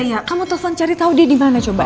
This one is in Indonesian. iya iya kamu telfon cari tau dia dimana coba